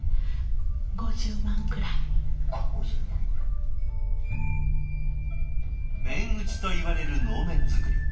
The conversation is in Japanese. この辺割と面打ちといわれる能面作り。